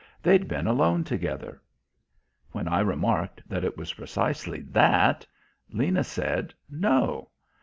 They'd been alone together. When I remarked that it was precisely that, Lena said, No.